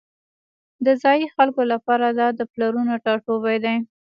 د ځایی خلکو لپاره دا د پلرونو ټاټوبی دی